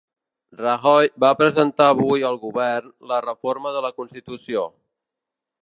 Rajoy ha presentat avui al govern la reforma de la constitució